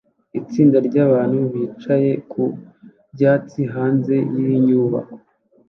Itsinda ryabantu bicaye ku byatsi hanze yinyubako